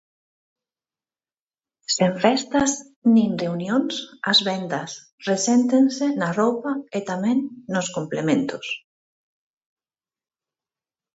Sen festas nin reunións, as vendas reséntense na roupa e tamén nos complementos.